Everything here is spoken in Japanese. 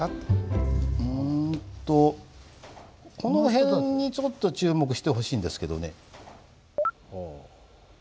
うんとこの辺にちょっと注目してほしいんですけどね。